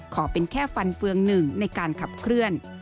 ขอเป็นแค่ฟันเฟืองหนึ่งในการขับเคลื่อน